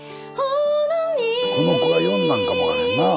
この子が呼んだんかも分からへんなあ。